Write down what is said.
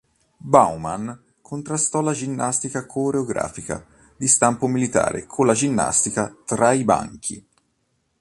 Baumann contrastò la ginnastica "coreografica" di stampo militare con la “ginnastica tra i banchi”.